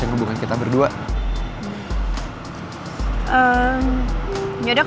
putri lagi sama pangeran